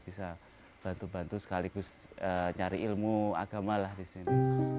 bisa bantu bantu sekaligus nyari ilmu agama lah di sini